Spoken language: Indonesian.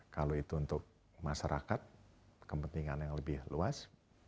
kalau itu untuk masyarakat kepentingan yang lebih luas